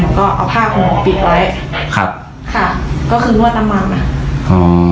หนูก็เอาผ้าของหนูปิดไว้ครับค่ะก็คือนวดตำบางน่ะอ๋อ